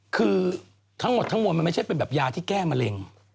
คือทั้งหมดทั้งมวลมันไม่ใช่เป็นแบบยาที่แก้มะเร็ง